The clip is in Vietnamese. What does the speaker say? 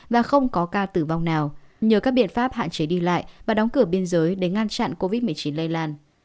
và không có ca tử vong nào nhờ các biện pháp hạn chế đi lại và đóng cửa biên giới để ngăn chặn covid một mươi chín lây lan